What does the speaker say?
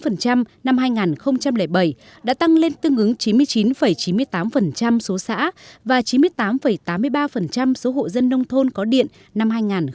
năm hai nghìn bảy đã tăng lên tương ứng chín mươi chín chín mươi tám số xã và chín mươi tám tám mươi ba số hộ dân nông thôn có điện năm hai nghìn một mươi bảy